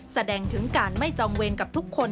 แสดงถึงการไม่จองเวรกับทุกคน